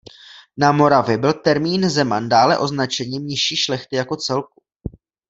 Na Moravě byl termín zeman déle označením nižší šlechty jako celku.